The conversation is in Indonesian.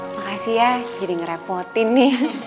makasih ya jadi ngerepotin nih